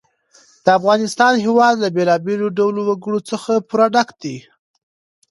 د افغانستان هېواد له بېلابېلو ډولو وګړي څخه پوره ډک دی.